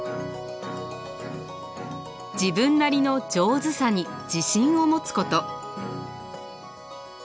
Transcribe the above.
自分なりの上手さに自信を持つこと。